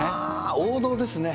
王道ですね。